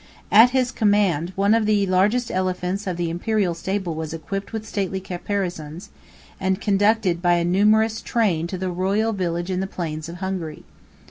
At his command, one of the largest elephants of the Imperial stables was equipped with stately caparisons, and conducted by a numerous train to the royal village in the plains of Hungary.